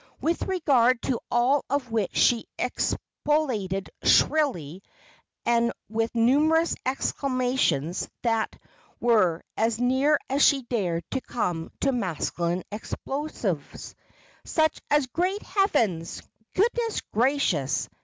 With regard to all of which she expostulated shrilly and with numerous exclamations that were as near as she dared come to masculine explosives,—such as "Great Heavens!" "Goodness gracious!"